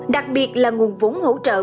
đặc biệt là nguồn vốn hỗ trợ